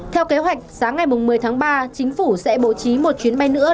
theo kế hoạch sáng ngày một mươi tháng ba chính phủ sẽ bố trí một chuyến bay nữa